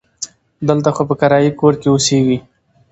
دلته خو په کرایي کور کې اوسیږي.